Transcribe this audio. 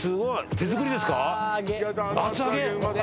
手作りですか？